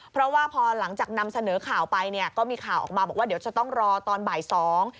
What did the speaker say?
เพราะว่าพอหลังจากนำเสนอข่าวไปเนี่ยก็มีข่าวออกมาบอกว่าเดี๋ยวจะต้องรอตอนบ่ายสอง